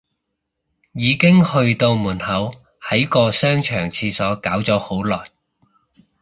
已經去到門口，喺個商場廁所搞咗好耐